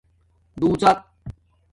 دُوزق